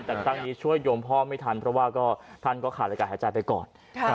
แต่ครั้งนี้ช่วยโยมพ่อไม่ทันเพราะว่าท่านก็ขาดอากาศหายใจไปก่อน